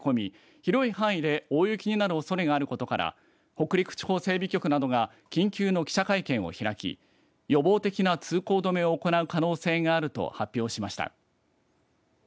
広い範囲で大雪になるおそれがあることから北陸地方整備局などが緊急の記者会見を開き予防的な通行止めを行う可能性があると発表しました。